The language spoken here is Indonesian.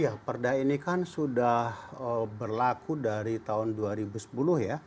ya perda ini kan sudah berlaku dari tahun dua ribu sepuluh ya